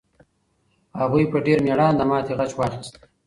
هغوی په ډېر مېړانه د ماتې غچ واخیست.